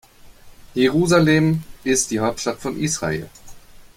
Jerusalem ist die Hauptstadt von Israel.